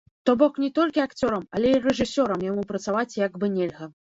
То бок, не толькі акцёрам, але і рэжысёрам яму працаваць як бы нельга.